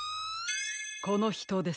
このひとです。